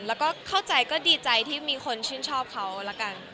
แล้วก็เข้าใจก็ดีใจที่มีคนชื่นชอบเขาแล้วกัน